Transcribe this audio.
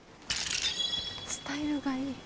スタイルがいい。